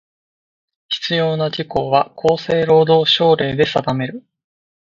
必要な事項は、厚生労働省令で定める。